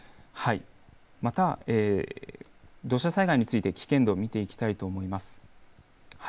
また土砂災害についての危険度を見ていきたいと思います。